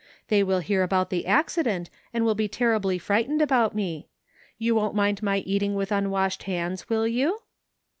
They will hear about the accident and will be terribly frightened about me. You won't mind my eating with imwashed hands, will you?